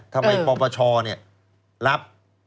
ทำไมปปชรับ